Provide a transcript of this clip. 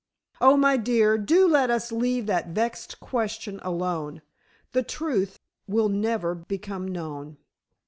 "Oh, my dear, do let us leave that vexed question alone. The truth will never become known."